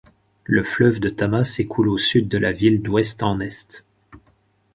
Le fleuve de Tama s'écoule au sud de la ville d'ouest en est.